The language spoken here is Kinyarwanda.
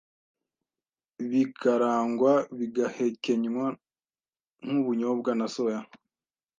bikarangwa bigahekenywa nk’ubunyobwa na soya.